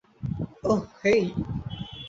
ওহ, হেই।